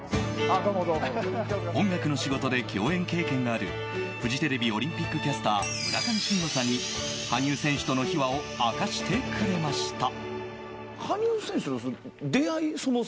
音楽の仕事で共演経験があるフジテレビオリンピックキャスター村上信五さんに羽生選手との秘話を明かしてくれました。